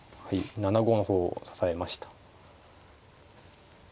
７五の歩を支えました。